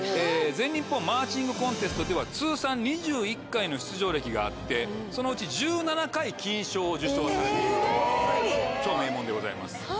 全日本マーチングコンテストでは通算２１回の出場歴があってそのうち１７回金賞を受賞されているという超名門でございます。